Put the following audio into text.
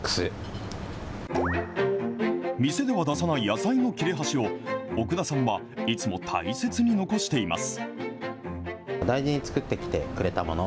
店では出さない野菜の切れ端を、奥田さんはいつも大切に残しています。